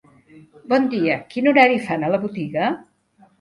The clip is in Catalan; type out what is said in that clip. Bon dia, quin horari fan a la botiga?